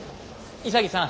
潔さん。